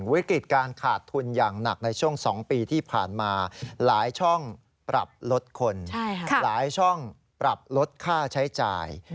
วิกฤตการขาดทุนอย่างหนักในช่วง๒ปีที่ผ่านมาหลายช่องปรับลดคนหลายช่องปรับลดค่าใช้จ่าย